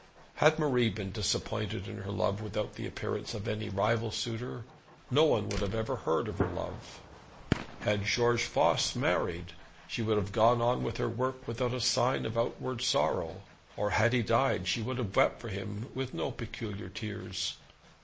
Had Marie been disappointed in her love without the appearance of any rival suitor, no one would have ever heard of her love. Had George Voss married, she would have gone on with her work without a sign of outward sorrow; or had he died, she would have wept for him with no peculiar tears.